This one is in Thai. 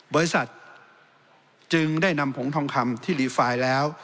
บริษัทจึงได้นำผงทองคำที่รีไฟล์แล้ว